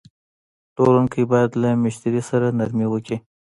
پلورونکی باید له مشتری سره نرمي وکړي.